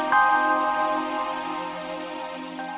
ayo kejar raja cepetan